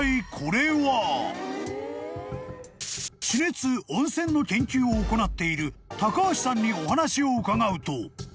［地熱・温泉の研究を行っている高橋さんにお話を伺うと］